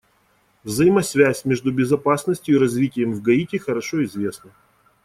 Взаимосвязь между безопасностью и развитием в Гаити хорошо известна.